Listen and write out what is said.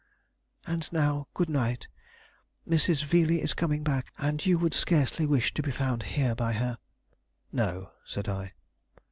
"And now, good night. Mrs. Veeley is coming back, and you would scarcely wish to be found here by her." "No," said I.